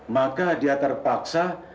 maka dia terpaksa